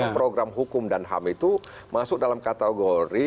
program hukum dan ham itu masuk dalam kategori